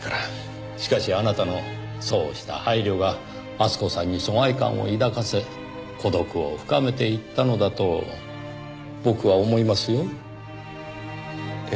しかしあなたのそうした配慮が厚子さんに疎外感を抱かせ孤独を深めていったのだと僕は思いますよ。